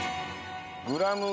グラムが。